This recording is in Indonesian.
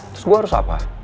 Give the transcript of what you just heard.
terus gue harus apa